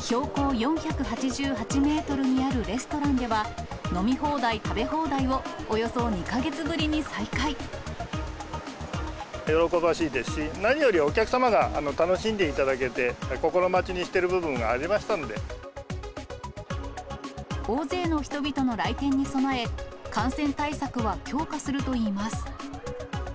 標高４８８メートルにあるレストランでは、飲み放題、食べ放題を、喜ばしいですし、何よりお客様が楽しんでいただけて、心待ちにしている部分があり大勢の人々の来店に備え、感染対策は強化するといいます。